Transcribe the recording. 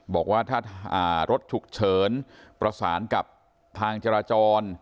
บอกว่าถ้ารถฉุกเฉินประสานกับทางจราจร